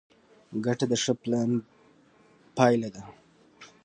ګټه د ښه پلان پایله ده.